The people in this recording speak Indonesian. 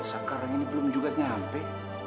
sekarang ini belum juga sampai